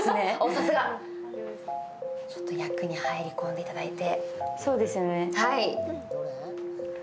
さすが、役に入り込んでいただいて。